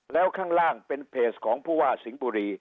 แล้วข้างล่างเป็นเพจของผู้ว่าสิงห์บุรี